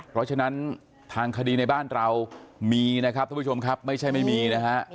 เพราะฉะนั้นทางคดีในบ้านเรามีนะครับทุกผู้ชมครับไม่ใช่ไม่มีนะฮะ